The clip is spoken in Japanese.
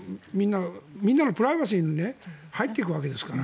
みんなのプライバシーに入っていくわけですから。